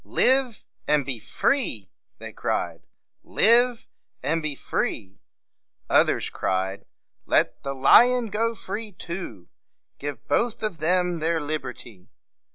"Live and be free!" they cried. "Live and be free!" Others cried, "Let the lion go free too! Give both of them their liberty!"